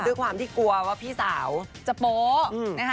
ด้วยความที่กลัวว่าพี่สาวจะโป๊ะนะคะ